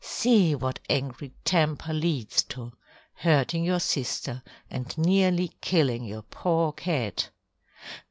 See what angry temper leads to hurting your sister, and nearly killing your poor cat."